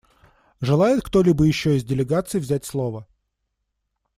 Желает кто-либо еще из делегаций взять слово?